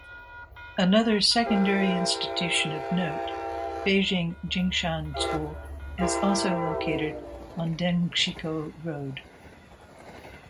Another secondary institution of note, Beijing Jingshan School, is also located on Dengshikou Road.